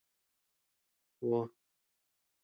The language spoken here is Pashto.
نیز د سېلاب او توی په مانا دی.